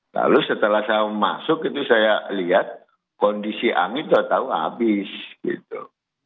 lalu setelah saya masuk itu saya lihat kondisi angin saya tahu habis gitu